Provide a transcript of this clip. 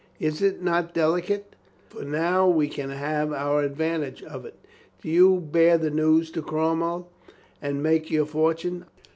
Is't not delicate? For now we can have our advantage of it. Do you bear the news to Cromwell and make your fortune."